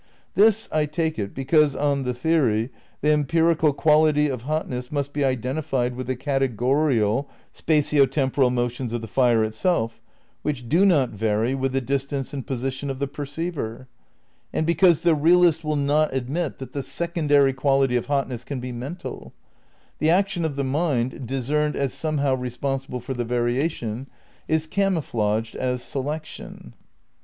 This, I take it, because, on the theory, the empirical quality of hotness must be identified with the categorial spatio temporal motions of the fire itself, which do not vary with the distance and position of the perceiver; and because the realist will not admit that the second ^ Space, Time and Deity, Vol. II, p. 216. "The same, p. 187. V THE CRITICAL PREPARATIONS 207 ary quality of hotness can be mental. The action of the mind, discerned as somehow responsible for the variation, is camouflaged as selection.